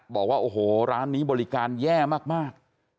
บอกว่าโอ้โหร้านนี้บริการแย่มาก